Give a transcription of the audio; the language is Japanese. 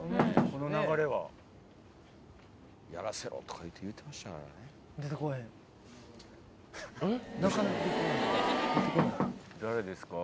この流れは「やらせろ」とかいうて言うてましたからね誰ですか？